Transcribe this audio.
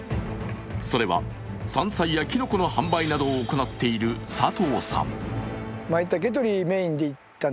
それは、山菜やきのこの販売などを行っている佐藤さん。